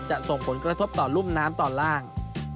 ส่งผลกระทบต่อรุ่มน้ำตอนล่าง